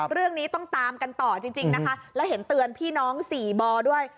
เรื่องนี้ต้องตามกันต่อจริงนะคะแล้วเห็นเตือนพี่น้องสี่บด้วย